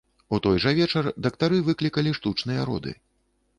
У той жа вечар дактары выклікалі штучныя роды.